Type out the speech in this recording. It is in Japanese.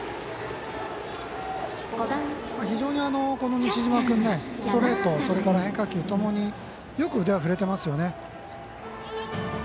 非常に西嶋君ストレート、変化球ともによく腕は振れてますよね。